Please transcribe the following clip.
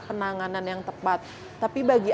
penanganan yang tepat tapi bagi